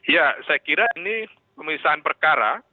ya saya kira ini pemisahan perkara